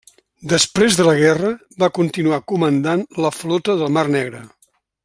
Després de la guerra va continuar comandant la Flota del Mar Negre.